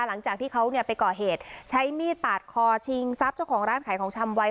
หลังจากที่เขาเนี่ยไปก่อเหตุใช้มีดปาดคอชิงทรัพย์เจ้าของร้านขายของชำไว้